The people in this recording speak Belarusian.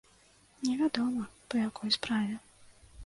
Невядома, па якой справе.